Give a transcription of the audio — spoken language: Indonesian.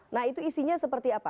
nah itu isinya seperti apa